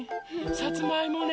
さつまいもね。